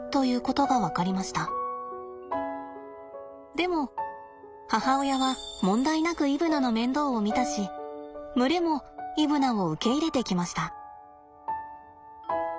でも母親は問題なくイブナの面倒を見たし群れもイブナを受け入れてきました。